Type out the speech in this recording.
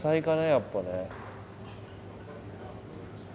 やっぱね。